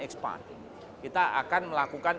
expand kita akan melakukan